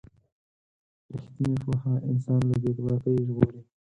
رښتینې پوهه انسان له بې باکۍ ژغوري.